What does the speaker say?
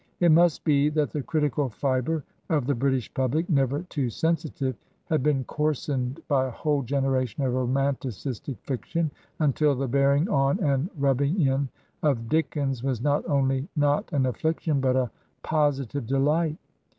It must be that the critical fibre of the British public, never too sensitive, had been coarsened by a whole generation of romanticistic fiction, until the bearing on and rubbing in of Dickens was not only not an affliction, but a posi tive delight.